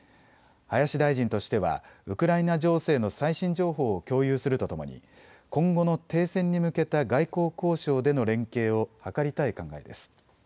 林大臣としてはウクライナ情勢の最新情報を共有するとともに今後の停戦に向けた外交交渉での連携を図りたい考えです。